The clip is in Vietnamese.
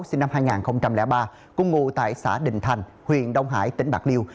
sinh năm hai nghìn ba cùng ngụ tại xã đình thành huyện đông hải tỉnh bạc liêu